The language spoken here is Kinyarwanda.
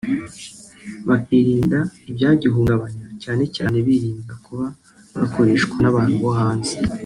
bakirinda ibyagihungabanya cyane cyane birinda kuba bakoreshwa n’abantu bo hanze